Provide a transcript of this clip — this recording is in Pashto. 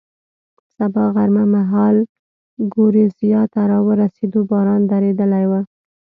سبا غرمه مهال ګورېزیا ته را ورسېدو، باران درېدلی و.